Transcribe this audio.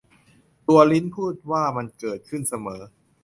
ตัวริ้นพูดว่า มันเกิดขึ้นเสมอ